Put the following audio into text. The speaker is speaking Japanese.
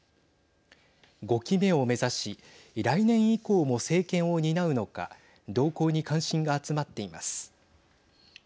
５期目を目指し来年以降も政権を担うのか動向に関心が集まっています。